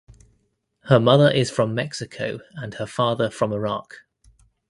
Her mother is from Mexico and her father from Iraq.